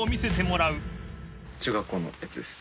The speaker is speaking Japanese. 中学校のやつです